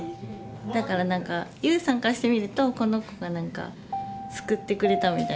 だから何か悠さんからしてみるとこの子が何か救ってくれたみたいな。